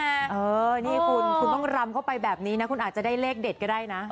เออนี่คุณคุณต้องรำเข้าไปแบบนี้นะคุณอาจจะได้เลขเด็ดก็ได้นะ